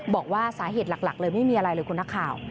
บอกว่าสาเหตุหลักเลยไม่มีอะไรเลยคุณนักข่าว